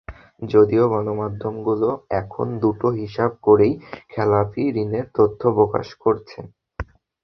যদিও গণমাধ্যমগুলো এখন দুটো হিসাব করেই খেলাপি ঋণের তথ্য প্রকাশ করছে।